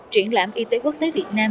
triển lãm y tế quốc tế việt nam